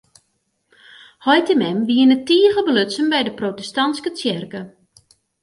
Heit en mem wiene tige belutsen by de protestantske tsjerke.